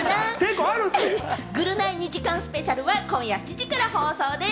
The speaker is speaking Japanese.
『ぐるナイ』２時間スペシャルは今夜７時から放送です。